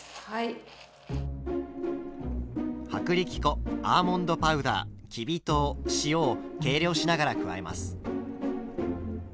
薄力粉アーモンドパウダーきび糖塩を計量しながら加えます。